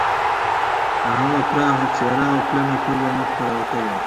د هغه پراخه څیره او پلنه پوزه مخ ته راوتلې وه